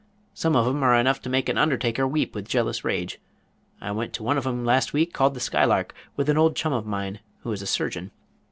Some of 'em are enough to make an undertaker weep with jealous rage. I went to one of 'em last week called 'The Skylark' with an old chum of mine, who is a surgeon.